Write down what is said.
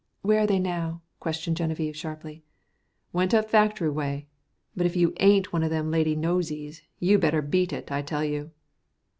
"Where are they now?" questioned Genevieve sharply. "Went up factory way. But if you ain't one of them lady nosies, you'd better beat it, I tell you."